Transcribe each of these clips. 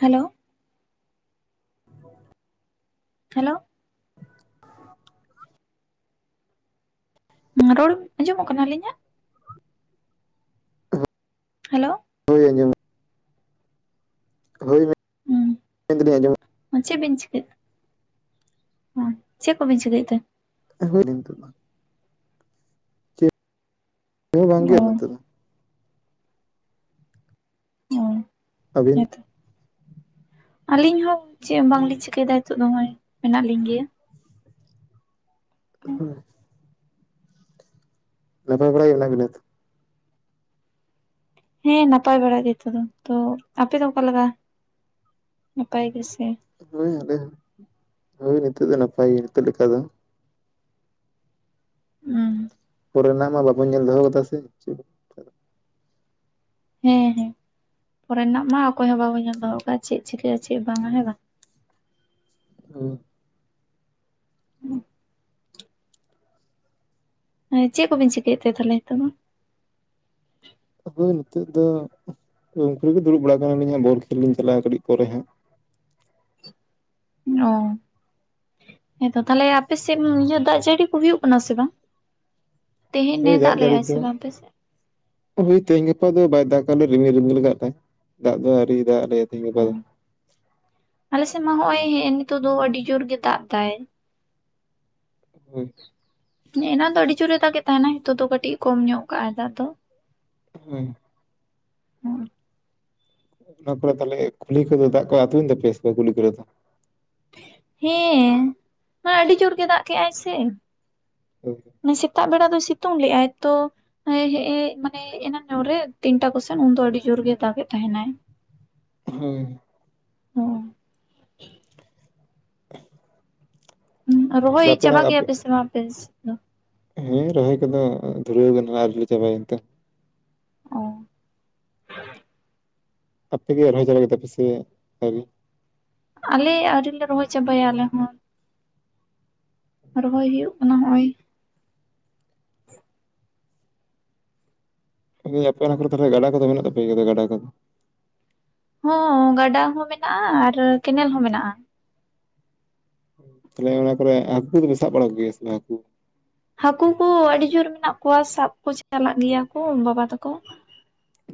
Hello, [inaudible] hello, ᱨᱚᱲ ᱟᱸᱡᱚᱢᱚᱜ ᱠᱟᱱᱟ ᱟᱞᱤᱧᱟᱜ? ᱦᱮᱞᱳ, ᱦᱳᱭ, ᱟᱸᱡᱚᱢᱚᱜ [unintelligible] ᱟᱸᱡᱚᱢ ᱪᱮᱜ ᱵᱤᱱ ᱪᱤᱠᱟᱹᱭ ᱫᱟ? ᱪᱮᱫ ᱠᱚᱵᱤᱱ ᱪᱤᱠᱟᱹᱭᱮᱫ ᱛᱮ? [unintelligible] ᱱᱤᱛᱚᱜ ᱫᱚ ᱾ ᱦᱮ ᱵᱟᱝ ᱚ ᱜᱮᱭᱟ ᱱᱚᱛᱳᱜ ᱫᱚ᱾ ᱚ ᱟᱹᱵᱤᱱ ᱦᱮᱸᱛᱚ ᱟᱹᱞᱤᱧ ᱦᱚᱸ ᱪᱮᱫ ᱦᱚ ᱵᱟᱝᱞᱤᱧ ᱪᱤᱠᱟᱹᱭ ᱫᱟ ᱱᱤᱛᱚᱜ ᱫᱚ ᱦᱚᱜᱼᱚᱭ ᱢᱮᱱᱟᱜ ᱞᱤᱧ ᱜᱮᱭᱟ᱾ ᱦᱮᱸ, ᱱᱟᱯᱟᱭ ᱵᱟᱲᱟ ᱜᱮ ᱢᱮᱱᱟᱜ ᱵᱤᱱᱟ ᱛᱚ? ᱦᱮᱸ ᱱᱟᱯᱟᱭ ᱵᱟᱲᱟ ᱜᱮ ᱱᱤᱛᱚᱜ ᱫᱚ᱾ ᱛᱚ ᱟᱯᱮ ᱫᱚ ᱚᱠᱟᱞᱮᱠᱟ ᱱᱟᱯᱟᱭ ᱜᱮ ᱥᱮ ᱦᱳᱭ ᱟᱞᱮ ᱦᱚ, ᱦᱳᱭ ᱱᱤᱛᱚᱜ ᱫᱚ ᱱᱟᱯᱟᱭ ᱜᱮ ᱱᱤᱛᱚᱜ ᱞᱮᱠᱟ ᱫᱚ᱾ ᱦᱩᱸ, ᱯᱚᱨᱮ ᱨᱮᱱᱟᱜ ᱢᱟ ᱵᱟᱵᱚᱱ ᱧᱮᱞ ᱫᱚᱦᱚ ᱠᱟᱫᱟ ᱥᱮ ᱪᱮᱫ ᱦᱮᱸ ᱦᱮᱸ ᱯᱚᱨᱮ ᱨᱮᱱᱟᱜ ᱢᱟ ᱚᱠᱚᱭ ᱦᱚᱸ ᱵᱟᱵᱚᱱ ᱧᱮᱞ ᱫᱚᱦᱚ ᱠᱟᱜ, ᱪᱮᱫ ᱪᱤᱠᱟᱹᱜᱼᱟ ᱪᱮᱫ ᱵᱟᱝᱟ ᱦᱮᱸ ᱵᱟᱝ? ᱦᱮᱸ ᱾ ᱦᱮᱸ ᱪᱮᱫ ᱠᱚᱵᱤᱱ ᱪᱤᱠᱟᱹᱭᱮᱫ ᱛᱮ ᱛᱟᱦᱚᱞᱮ ᱱᱤᱛᱚᱜ ᱫᱚ? ᱟᱫᱚ ᱱᱤᱛᱳᱜ ᱫᱚ ᱫᱩᱲᱩᱵ ᱵᱟᱲᱟ ᱟᱠᱟᱱᱟᱞᱤᱧ ᱦᱟᱸᱜ ᱵᱚᱞ ᱠᱷᱮᱞ ᱞᱤᱧ ᱪᱟᱞᱟᱜᱼᱟ ᱠᱟᱹᱴᱤᱡ ᱯᱚᱨᱮ ᱦᱟᱸᱜ᱾ ᱚ, ᱦᱮᱸ ᱛᱚ ᱛᱟᱦᱞᱮ ᱟᱯᱮ ᱥᱮᱫ ᱫᱟᱜ ᱡᱟᱹᱲᱤ ᱠᱚ ᱦᱩᱭᱩᱜ ᱠᱟᱱᱟ ᱥᱮ ᱵᱟᱝ᱾ ᱛᱮᱦᱮᱧ ᱦᱩᱭ ᱮ ᱫᱟᱜ ᱡᱟᱹᱲᱤ ᱞᱮᱜᱟᱭ ᱥᱮ ᱫᱚ᱾ ᱵᱟᱝ ᱟᱯᱮ ᱥᱮᱫ ᱦᱳᱭ ᱛᱮᱦᱮᱧ ᱜᱟᱯᱟ ᱫᱚ ᱵᱟᱭ ᱫᱟᱜ ᱟᱞᱮ ᱨᱤᱢᱤᱞ ᱨᱤᱢᱤᱞ ᱞᱟᱜᱟᱜ ᱛᱟᱭ ᱫᱟᱜ ᱫᱚ ᱟᱣᱨᱤᱭ ᱫᱟᱜ ᱟᱞᱮᱭᱟ ᱛᱮᱦᱤᱧ ᱜᱟᱯᱟ ᱫᱚ᱾ ᱟᱞᱮᱥᱮᱫ ᱢᱟ ᱦᱚᱜ ᱚᱭ ᱦᱮᱸ ᱱᱤᱛᱚᱜ ᱫᱚ ᱟᱹᱰᱤ ᱡᱳᱨ ᱜᱮ ᱫᱟᱜ ᱮ ᱫᱟᱭ᱾ [unintelligible] ᱮᱱᱟᱱ ᱫᱚ ᱟᱹᱰᱤ ᱡᱳᱨ ᱮ ᱫᱟᱜᱽ ᱜᱮ ᱛᱟᱦᱮᱱᱟ ᱱᱤᱛᱚᱜ ᱫᱚ ᱠᱟᱹᱴᱤᱡ ᱠᱚᱢ ᱧᱚᱜ ᱠᱟᱜ ᱟᱭ ᱫᱟᱜ ᱫᱚ᱾ ᱦᱩᱸ [unintelligible] ᱚᱱᱟ ᱠᱚᱨᱮ ᱛᱟᱦᱚᱞᱮ ᱠᱩᱞᱦᱤ ᱠᱚᱫᱚ ᱫᱟᱜ ᱠᱚ ᱟᱹᱛᱩ ᱛᱟᱯᱮ ᱠᱩᱞᱦᱤ ᱠᱚᱨᱮ ᱫᱚ᱾ ᱦᱮᱸ ᱟᱹᱰᱤ ᱡᱳᱨ ᱜᱮ ᱫᱟᱜ ᱠᱮᱜ ᱟᱭ ᱥᱮ᱾ [unintelligible] ᱥᱮᱛᱟᱜ ᱵᱮᱲᱟ ᱫᱚᱭ ᱥᱤᱛᱩᱝ ᱞᱮᱜ ᱟᱭ ᱛᱚ᱾ ᱦᱮᱸ ᱢᱟᱱᱮ ᱮᱱᱟᱱ ᱧᱚᱜ ᱨᱮ ᱛᱤᱱᱴᱟ ᱠᱚᱥᱮᱱ ᱩᱱ ᱫᱚ ᱟᱹᱰᱤ ᱡᱳᱨ ᱜᱮ ᱫᱟᱜ ᱮ ᱛᱟᱦᱮᱱ ᱟᱭ᱾ [unintelligible] ᱦᱳᱭ ᱦᱩᱸ ᱦᱩᱸ ᱨᱚᱦᱚᱭ ᱟᱯᱮ ᱚᱱᱟ ᱪᱟᱵᱟ ᱟᱯᱮ ᱠᱮ-ᱟᱜ ᱯᱮ ᱥᱮ ᱵᱟᱝ ᱟᱯᱮ ᱥᱮᱫ ᱫᱚ᱾ ᱦᱮᱸ ᱨᱚᱦᱚᱭ ᱠᱚᱫᱚ ᱫᱷᱩᱨᱟᱹᱣ ᱠᱟᱱᱟ ᱟᱣᱨᱤ ᱞᱮ ᱪᱟᱵᱟᱭᱟ ᱮᱱ ᱛᱮ᱾ ᱚᱸ ᱟᱯᱮᱜᱮ ᱨᱚᱦᱚᱭ ᱪᱟᱵᱟ ᱠᱮᱫᱟ ᱯᱮ ᱥᱮ ᱟᱨᱤ᱾ ᱟᱞᱮ ᱟᱹᱣᱨᱤ ᱞᱮ ᱨᱚᱦᱚᱭ ᱪᱟᱵᱟᱭᱟ ᱟᱞᱮ ᱦᱚᱸ᱾ ᱨᱚᱦᱚᱭ ᱦᱩᱭᱩᱜ ᱠᱟᱱᱟ ᱦᱚᱜᱼᱚᱭ᱾ ᱟᱯᱮ ᱚᱱᱟ ᱠᱚᱨᱮ ᱛᱟᱦᱚᱞᱮ ᱜᱟᱰᱟ ᱠᱚᱫᱚ ᱢᱮᱱᱟᱜ ᱛᱟᱯᱮᱭᱟ ᱜᱟᱰᱟ ᱠᱚᱫᱚ᱾ ᱦᱚᱸ ᱜᱟᱰᱟ ᱦᱚᱸ ᱢᱮᱱᱟᱜᱼᱟ ᱟᱨ ᱠᱮᱱᱮᱞ ᱦᱚᱸ ᱢᱮᱱᱟᱜᱼᱟ᱾ ᱛᱟᱦᱚᱞᱮ ᱚᱱᱟ ᱠᱚᱨᱮ ᱦᱟᱹᱠᱩ ᱠᱚᱫᱚ ᱯᱮ ᱥᱟᱵ ᱵᱟᱲᱟ ᱠᱚ ᱜᱮᱭᱟ ᱦᱟᱹᱠᱩ᱾ ᱦᱟᱹᱠᱩ ᱠᱚ ᱟᱹᱰᱤ ᱡᱳᱨ ᱢᱮᱱᱟᱜ ᱠᱚᱣᱟ ᱥᱟᱵ ᱠᱚ ᱪᱟᱞᱟᱜ ᱜᱮᱭᱟ ᱠᱚ ᱵᱟᱵᱟ ᱛᱟᱠᱚ᱾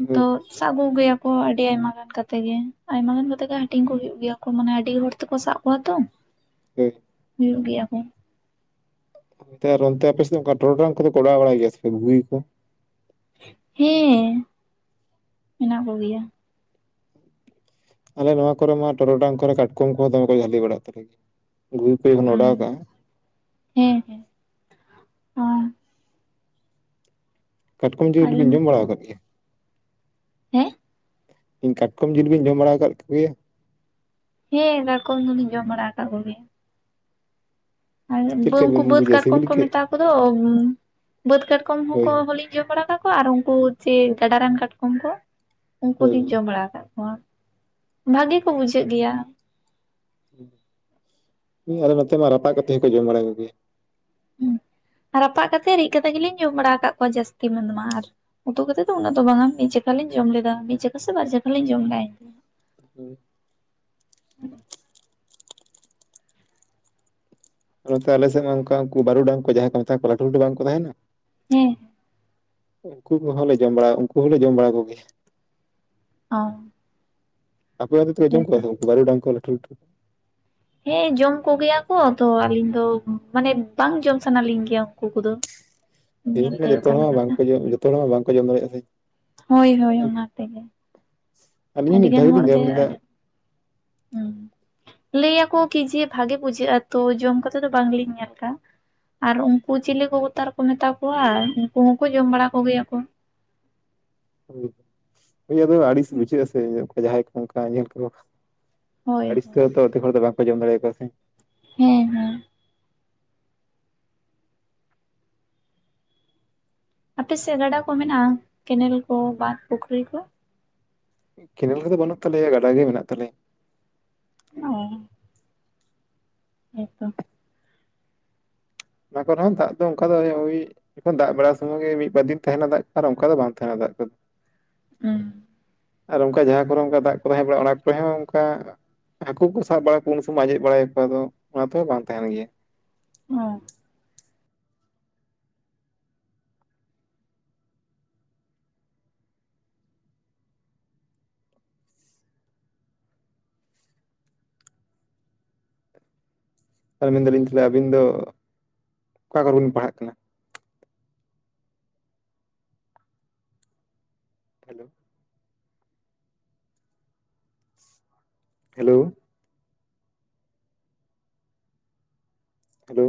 ᱦᱳᱭ ᱛᱚ ᱥᱟᱵᱽ ᱠᱚᱜᱮᱭᱟ᱾ ᱚ ᱟᱹᱰᱤ ᱟᱭᱢᱟ ᱜᱟᱱ ᱠᱟᱛᱮ ᱜᱮ ᱟᱭᱢᱟ ᱜᱟᱱ ᱠᱟᱛᱮ ᱜᱮ ᱦᱟᱹᱴᱤᱧ ᱠᱚ ᱦᱩᱭᱩᱜ ᱜᱮᱭᱟ ᱠᱚ ᱢᱟᱱᱮ ᱟᱹᱰᱤ ᱦᱚᱲ ᱛᱮᱠᱚ ᱥᱟᱵ ᱠᱚᱣᱟ ᱛᱚ᱾ [unintelligible] [unintelligible] ᱦᱩᱭᱩᱜ ᱜᱮᱭᱟ ᱠᱚ᱾ ᱚᱱᱛᱮ ᱟᱨ ᱚᱱᱛᱮ ᱟᱯᱮᱥᱮᱫ ᱚᱱᱠᱟ ᱴᱚᱨᱚᱰᱟᱝ ᱠᱚᱫᱚ ᱠᱚᱲᱟᱣ ᱵᱟᱲᱟᱭ ᱜᱮᱭᱟ ᱥᱮ ᱜᱷᱩᱜᱤ ᱠᱚ ᱾ ᱦᱮᱸ ᱢᱮᱱᱟᱜ ᱢᱮᱱᱟᱜ ᱠᱚᱜᱮᱭᱟ᱾ ᱟᱞᱮ ᱱᱚᱣᱟ ᱠᱚᱨᱮ ᱢᱟ ᱴᱚᱨᱚᱰᱟᱝ ᱠᱚᱨᱮ ᱠᱟᱴᱠᱚᱢ ᱠᱚᱦᱚᱸ ᱫᱚᱢᱮ ᱠᱚ ᱡᱟᱹᱞᱤ ᱵᱟᱲᱟᱜ ᱛᱟᱞᱮᱭᱟ ᱜᱷᱩᱜᱤ ᱡᱚᱠᱷᱚᱱ ᱚᱰᱟᱣ ᱠᱟᱜᱼᱟ᱾ ᱦᱮᱸ ᱦᱮᱸ ᱠᱟᱴᱠᱚᱢ ᱟᱞᱮᱢ ᱡᱤᱭᱟᱹᱞᱤᱵᱤᱱ ᱡᱚᱢ ᱵᱟᱲᱟ ᱟᱠᱟᱫ ᱜᱮᱭᱟ᱾ ᱦᱮᱸ ᱤᱧ ᱠᱟᱴᱠᱚᱢ ᱡᱤᱞ ᱵᱤᱧ ᱡᱚᱢ ᱵᱟᱲᱟ ᱟᱠᱟᱫ ᱠᱚᱜᱮᱭᱟ᱾ ᱦᱮᱸ ᱫᱟᱠᱚᱢ ᱫᱚᱸᱞᱤᱧ ᱡᱚᱢ ᱵᱟᱲᱟ ᱟᱠᱟᱫ ᱠᱚᱜᱮᱭᱟ᱾ ᱟᱨ ᱪᱮᱫ ᱞᱮᱠᱟ ᱩᱱᱠᱩ ᱵᱤᱱ ᱵᱟᱹᱫᱽ ᱵᱩᱡᱟ ᱠᱟᱴᱠᱚᱢ ᱥᱤᱵᱤᱞ ᱠᱚ ᱜᱮ? ᱢᱮᱛᱟ ᱠᱚᱫᱚ ᱵᱟᱹᱫᱽ ᱠᱟᱴᱠᱚᱢ ᱦᱳᱭ ᱦᱚᱸᱠᱚ ᱦᱳᱭ ᱞᱤᱧ᱾ ᱤᱭᱟᱹ ᱵᱟᱲᱟ ᱠᱟᱜ ᱠᱚᱣᱟ ᱟᱨ ᱩᱱᱠᱩ ᱪᱮ ᱜᱟᱰᱟ ᱨᱮᱱ ᱠᱟᱴᱠᱚᱢ ᱠᱚ᱾ ᱩᱱᱠᱩ ᱦᱳᱭ ᱫᱚᱤᱧ ᱡᱚᱢ ᱵᱟᱲᱟ ᱟᱠᱟᱫ ᱠᱚᱣᱟ ᱵᱷᱟᱜᱮ ᱠᱚ ᱵᱩᱡᱷᱟᱹᱜ ᱜᱮᱭᱟ᱾ ᱤᱧ ᱟᱞᱮ ᱱᱚᱛᱮ ᱢᱟ ᱨᱟᱯᱟᱜ ᱠᱟᱛᱮ ᱦᱚᱸᱠᱚ ᱡᱚᱢ ᱵᱟᱲᱟ ᱠᱚᱜᱮᱭᱟ᱾ ᱦᱩᱸ ᱨᱟᱯᱟᱜ ᱠᱟᱛᱮᱛ ᱨᱤᱫ ᱠᱟᱛᱮ ᱜᱮᱞᱤᱧ ᱡᱚᱢ ᱵᱟᱲᱟ ᱟᱠᱟᱫ ᱠᱚᱣᱟ ᱡᱟᱹᱥᱛᱤ ᱢᱮᱱ ᱢᱟ ᱟᱨ᱾ ᱩᱛᱩ ᱠᱟᱛᱮᱛ ᱫᱚ ᱩᱱᱟᱹᱜ ᱫᱚ ᱵᱟᱝᱼᱟ ᱢᱤᱫ ᱪᱮᱠᱷᱟᱞᱤᱧ ᱡᱚᱢ ᱞᱮᱫᱟ ᱢᱤᱫ ᱪᱮᱠᱟ ᱥᱮ ᱵᱟᱨ ᱪᱮᱠᱷᱟᱞᱤᱧ ᱡᱚᱢ᱾ ᱫᱚ᱾ [inaudible] ᱚᱱᱟᱛᱮ ᱟᱞᱮ ᱥᱮᱫ ᱢᱟ ᱚᱱᱠᱟ ᱩᱱᱠᱩ ᱵᱟᱨᱩᱰᱟᱝ ᱠᱚ ᱡᱟᱦᱟᱸᱭ ᱠᱚ ᱢᱮᱛᱟ ᱠᱚᱣᱟ ᱞᱟᱹᱴᱩ ᱞᱟᱹᱴᱩ ᱵᱟᱝ ᱠᱚ ᱛᱟᱦᱮᱱᱟ ᱦᱮᱸ ᱾ ᱩᱱᱠᱩ ᱠᱚᱦᱚᱸᱞᱮ ᱡᱚᱢ ᱵᱟᱲᱟ ᱩᱱᱠᱩ ᱦᱚᱸᱞᱮ ᱡᱚᱢ ᱵᱟᱲᱟ ᱠᱚᱜᱮᱭᱟ ᱾ ᱚ ᱟᱯᱮ ᱚᱱᱛᱮ ᱡᱚᱢ ᱦᱮᱸᱛᱚ ᱠᱚᱣᱟ ᱵᱟᱨᱩ ᱰᱟᱝ ᱠᱩ ᱞᱟᱹᱴᱩ ᱞᱟᱹᱴᱩ? ᱦᱮᱸ ᱡᱚᱢ ᱠᱚ ᱜᱮᱭᱟ ᱠᱚ ᱛᱚ ᱟᱹᱞᱤᱧ ᱫᱚ ᱢᱟᱱᱮ ᱵᱟᱝ ᱡᱚᱢ ᱥᱟᱱᱟ ᱞᱤᱧ ᱜᱮᱭᱟ ᱩᱱᱠᱩ ᱠᱚᱫᱚ ᱾ [inaudible] ᱛᱮᱦᱮᱧ ᱡᱷᱚᱛᱚ ᱦᱚᱲ ᱵᱟᱝ ᱠᱚ ᱡᱚᱢ ᱡᱚᱛᱚ ᱦᱚᱲ ᱢᱟ ᱵᱟᱝ ᱠᱚ ᱡᱚᱢ ᱫᱟᱲᱮᱭᱟᱜᱼᱟ ᱥᱮ ᱦᱳᱭ ᱦᱳᱭ ᱚᱱᱟ ᱛᱮᱜᱮ ᱾ ᱟᱹᱞᱤᱧ ᱦᱚᱸ ᱢᱤᱫ ᱫᱷᱟᱣ ᱜᱮᱞᱤᱧ ᱡᱚᱢ ᱞᱮᱫᱟ ᱟᱹᱰᱤ ᱾ ᱦᱩᱸ ᱞᱟᱹᱭ ᱟᱠᱚ ᱠᱤ ᱡᱤ ᱵᱷᱟᱜᱮ ᱵᱩᱡᱷᱟᱹᱜᱼᱟ ᱛᱚ ᱡᱚᱢ ᱠᱟᱛᱮ ᱱᱤᱛᱚᱜ ᱫᱚ ᱵᱟᱝ ᱞᱤᱧ ᱧᱮᱞ ᱟᱠᱟᱜ ᱟᱨ ᱩᱱᱠᱩ ᱪᱤᱞᱤ ᱠᱚ ᱛᱟᱨᱠᱚ ᱢᱮᱛᱟ ᱠᱚᱣᱟ ᱟᱨ ᱩᱱᱠᱩ ᱦᱚᱸᱠᱚ ᱡᱚᱢ ᱵᱟᱲᱟ ᱠᱚᱜᱮᱭᱟ ᱠᱚ ᱾ ᱦᱳᱭ ᱟᱫᱚ ᱟᱹᱲᱤᱥ ᱵᱩᱡᱷᱟᱹᱜᱼᱟ ᱥᱮ ᱡᱟᱦᱟᱸᱭ ᱠᱚ ᱚᱱᱠᱟ ᱧᱮᱞ ᱠᱚ ᱾ ᱦᱳᱭ ᱟᱹᱲᱤᱥ ᱛᱮ ᱦᱳᱭ ᱛᱚ ᱟᱰᱤ ᱦᱚᱲ ᱫᱚ ᱵᱟᱝ ᱠᱚ ᱡᱚᱢ ᱫᱟᱲᱮ ᱠᱚᱣᱟ ᱾ ᱦᱮᱸ ᱦᱮᱸ ᱾ ᱟᱯᱮᱥᱮᱫ ᱜᱟᱰᱟ ᱠᱚ ᱢᱮᱱᱟᱜᱼᱟ ᱠᱮᱱᱮᱞ ᱠᱚ ᱵᱟᱸᱫ ᱯᱩᱠᱷᱨᱤ ᱠᱚ? ᱠᱮᱱᱮᱞ ᱠᱚᱫᱚ ᱵᱟᱹᱱᱩᱜ ᱛᱟᱞᱮᱭᱟ ᱜᱟᱰᱟ ᱜᱮ ᱢᱮᱱᱟᱜ ᱛᱟᱞᱮᱭᱟ ᱾ ᱚᱻ ᱦᱮᱸ ᱛᱚ ᱾ ᱚᱱᱟ ᱠᱚᱨᱮ ᱦᱚᱸᱫᱟᱜ ᱫᱚ ᱚᱱᱠᱟ ᱫᱚ ᱳᱭ ᱡᱚᱠᱷᱚᱱ ᱫᱟᱜ ᱵᱟᱲᱟ ᱥᱚᱢᱚᱭ ᱜᱮ ᱢᱤᱫ ᱵᱟᱨ ᱫᱤᱱ ᱛᱟᱦᱮᱱᱟ ᱫᱟᱜ ᱠᱚ ᱟᱨ ᱚᱱᱠᱟ ᱫᱚ ᱵᱟᱝ ᱛᱟᱦᱮᱱᱟ ᱫᱟᱜ ᱠᱚ ᱦᱮᱸ ᱾ ᱟᱨ ᱚᱱᱠᱟ ᱡᱟᱦᱟᱸ ᱠᱚᱨᱮ ᱚᱱᱠᱟ ᱫᱟᱜ ᱠᱚ ᱛᱟᱦᱮᱸ ᱵᱟᱲᱟᱜᱼᱟ ᱚᱱᱟ ᱠᱚᱨᱮ ᱦᱚᱸ ᱚᱱᱠᱟ ᱦᱟᱹᱠᱩ ᱠᱚ ᱥᱟᱵ ᱵᱟᱲᱟ ᱠᱚᱣᱟ ᱩᱱ ᱥᱩᱢᱚᱭ ᱟᱸᱡᱮᱫ ᱵᱟᱲᱟᱭᱟ ᱠᱚ ᱚᱱᱟ ᱛᱮᱦᱚᱸ ᱵᱟᱝ ᱛᱟᱦᱮᱱ ᱜᱮᱭᱟ ᱾ ᱦᱮᱸ ᱾ ᱟᱨ ᱢᱮᱱ ᱫᱟᱞᱤᱧ ᱛᱟᱦᱚᱞᱮ ᱟᱹᱵᱤᱱ ᱫᱚ ᱚᱠᱟ ᱠᱚᱨᱮ ᱵᱤᱱ ᱯᱟᱲᱦᱟᱜ ᱠᱟᱱᱟ? ᱦᱮᱞᱳ ᱾ ᱦᱮᱞᱳ ᱾ ᱦᱮᱞᱳ ᱾